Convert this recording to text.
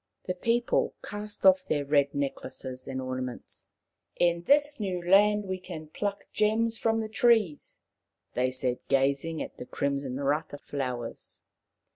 The people cast off their red necklaces and ornaments. " In this new land we can pluck gems from the trees/' they said, gazing at the crimson rata flowers.